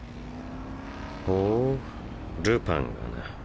ほうルパンがな。